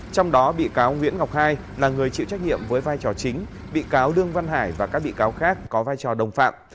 trong đó bị cáo nguyễn ngọc hai là người chịu trách nhiệm với vai trò chính bị cáo đương văn hải và các bị cáo khác có vai trò đồng phạm